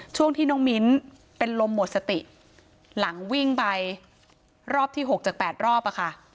ช่วงที่น้องมิ้นเป็นลมหมดสติหลังวิ่งไปรอบที่๖จาก๘รอบอะค่ะ